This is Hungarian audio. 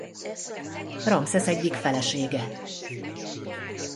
Ramszesz egyik felesége.